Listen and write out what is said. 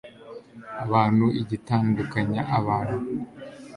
abantu igitandukanya abantu .